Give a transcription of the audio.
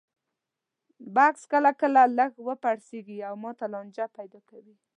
بکس کله کله لږ وپړسېږي او ماته لانجې پیدا کوي.